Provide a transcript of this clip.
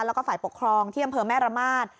แล้วก็ฝ่ายปกครองที่อำเภอแม่ระมาท